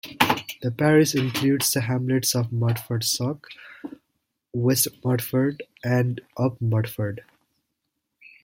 The parish includes the hamlets of Mudford Sock, West Mudford and Up Mudford.